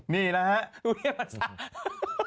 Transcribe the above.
นี่นะฮะ